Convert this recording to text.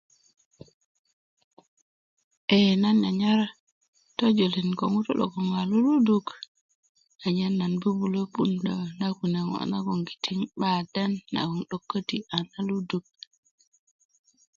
ee nan nyanyar tojulin ko ŋutu logoŋ a loluduk anyen nan bubulö puwundö na kune' ŋo' nagoŋgiti um 'ban den nagoŋ käti a na luduk